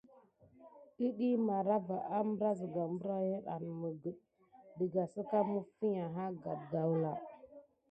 Iɗiy màrava ambra zəga mbrayin an məget dəga səka məfiga ha gape gawla.